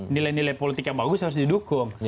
nilai nilai politik yang bagus harus didukung